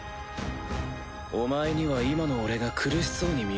お前には今の俺が苦しそうに見えるのか。